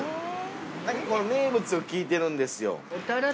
何か名物を聞いてるんですよ。